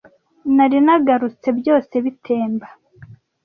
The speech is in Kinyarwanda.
nari nagarutse byose bitemba